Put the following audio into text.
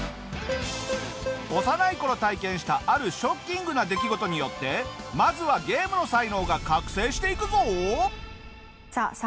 幼い頃体験したあるショッキングな出来事によってまずはゲームの才能が覚醒していくぞ！